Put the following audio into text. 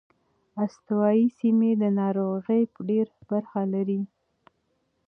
استوايي سیمې د ناروغۍ ډېره برخه لري.